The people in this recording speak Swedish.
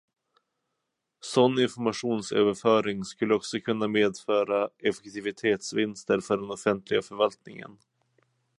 Sådan informationsöverföring skulle också kunna medföra effektivitetsvinster för den offentliga förvaltningen.